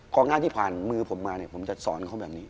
หน้าที่ผ่านมือผมมาเนี่ยผมจะสอนเขาแบบนี้